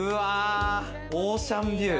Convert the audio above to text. オーシャンビュー。